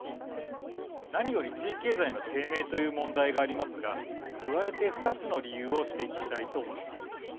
何より地域経済の低迷という問題がありますが加えて２つの理由を指摘したいと思います。